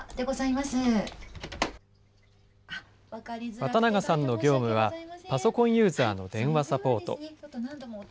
渡長さんの業務は、パソコンユーザーの電話サポート。